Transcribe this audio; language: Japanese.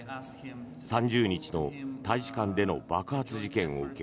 ３０日の大使館での爆発事件を受け